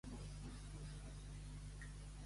Qui transforma la de Palafrugell en una pensió?